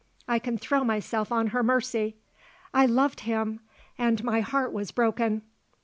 I can throw myself on her mercy. I loved him and my heart was broken.